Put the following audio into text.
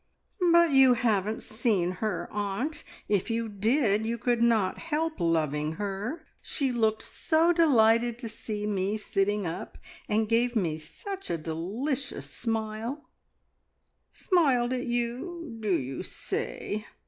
"But you haven't seen her, aunt; if you did, you could not help loving her. She looked so delighted to see me sitting up, and gave me such a delicious smile!" "Smiled at you, do you say?